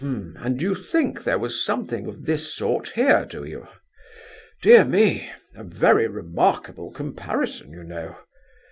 "H'm! and you think there was something of this sort here, do you? Dear me—a very remarkable comparison, you know!